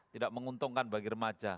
tidak menguntungkan bagi remaja